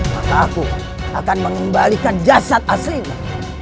maka aku akan mengembalikan jasad aslinya